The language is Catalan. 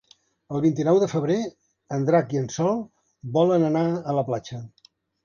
El vint-i-nou de febrer en Drac i en Sol volen anar a la platja.